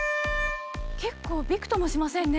結構びくともしませんね。